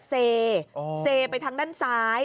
เซไปทางด้านซ้าย